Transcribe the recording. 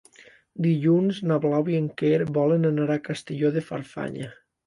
Dilluns na Blau i en Quer volen anar a Castelló de Farfanya.